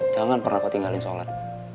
jangan pernah kau tinggalin sholat